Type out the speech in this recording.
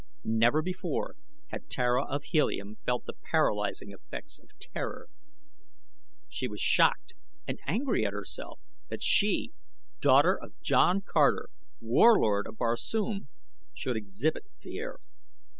Never before had Tara of Helium felt the paralyzing effects of terror. She was shocked and angry at herself, that she, daughter of John Carter, Warlord of Barsoom, should exhibit fear.